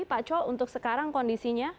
pak co untuk sekarang kondisinya